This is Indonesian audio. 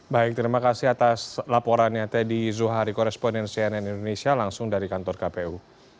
baik terima kasih atas laporannya teddy zuhari koresponen cnn indonesia langsung dari kantor kpu